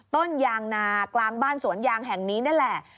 ต้นยางนากลางบ้านสวนยางแห่งนี้นั่นแหละ